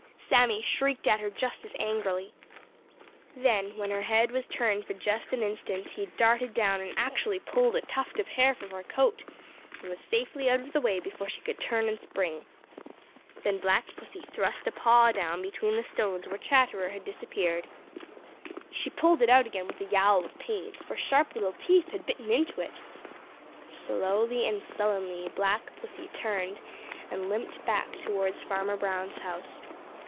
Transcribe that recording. Sammy shrieked at her just as angrily. Then, when her head was turned for just an instant, he darted down and actually pulled a tuft of hair from her coat, and was safely out of the way before she could turn and spring. Then Black Pussy thrust a paw down between the stones where Chatterer had disappeared. She pulled it out again with a yowl of pain, for sharp little teeth had bitten it. Slowly and sullenly Black Pussy turned and limped back towards Farmer Brown's house.